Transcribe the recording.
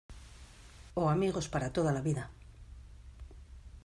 o amigos para toda la vida.